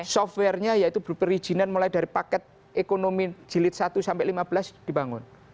software nya yaitu perizinan mulai dari paket ekonomi jilid satu sampai lima belas dibangun